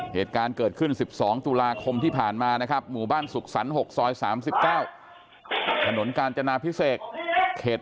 เหตุการณ์เกิดขึ้น๑๒ตุลาคมที่ผ่านมานะครับหมู่บ้านสุขสรรค์๖ซอย๓๙ถนนกาญจนาพิเศษเขต